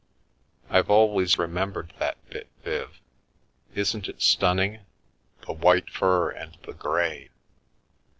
I've always remembered that bit, Viv; isn't it stunning —' the white fur and the grey